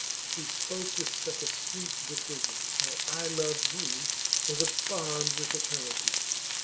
She spoke with such a sweet decision. Her 'I love you!' was a bond with eternity.